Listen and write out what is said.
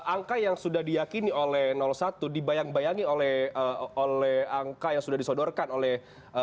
angka yang sudah diyakini oleh satu dibayang bayangi oleh angka yang sudah disodorkan oleh